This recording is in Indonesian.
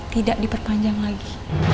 tidak diperpanjang lagi